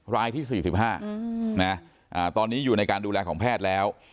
รายที่๔๕ตอนนี้อยู่ในการดูแลของแพทย์แล้ว